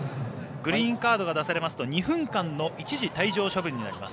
グリーンカードが出されますと、２分間の一時退場処分になります。